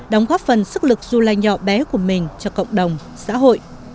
đóng góp phần sức lực du lai nhỏ bé của mình cho cộng đồng xã hội